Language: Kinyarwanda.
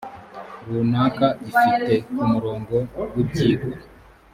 runaka ifite ku murongo w ibyigwa